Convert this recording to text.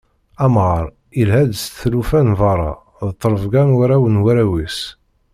Amɣar, yelha-d s tlufa n berra d trebga n warraw n warraw-is.